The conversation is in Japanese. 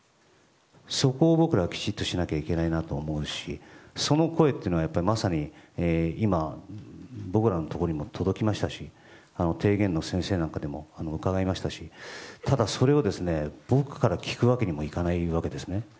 そこを僕らきちっとしなきゃいけないと思うしその声というのはまさに今、僕らのところにも届きましたし提言の先生なんかにも伺いましたしただ、それを僕から聞くわけにもいかないわけですよね。